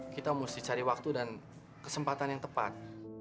kita mesti cari waktu dan kesempatan yang tepat